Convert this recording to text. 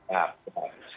ya terima kasih